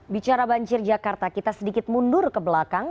bicara banjir jakarta kita sedikit mundur ke belakang